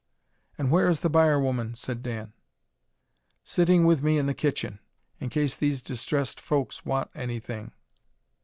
"And where is the byre woman?" said Dan. "Sitting with me in the kitchen, in case these distressed folks want any thing."